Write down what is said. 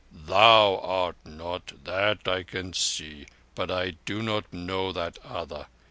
"Thou art not. That I can see. But I do not know that other.